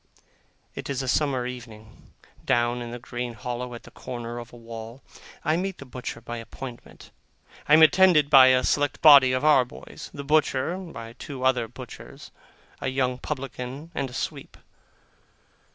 It is a summer evening, down in a green hollow, at the corner of a wall. I meet the butcher by appointment. I am attended by a select body of our boys; the butcher, by two other butchers, a young publican, and a sweep.